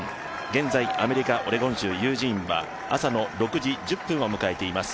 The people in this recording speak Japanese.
現在アメリカオレゴン州ユージーンは朝の６時１０分を迎えています。